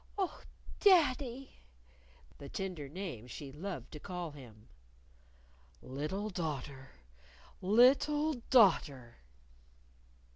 "Oh, daddy!" the tender name she loved to call him. "Little daughter! Little daughter!"